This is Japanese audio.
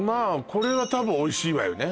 これは多分おいしいわよね